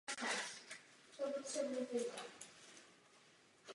Žilo zde třináct rodů.